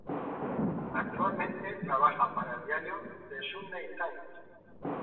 Actualmente trabaja para el diario "The Sunday Times".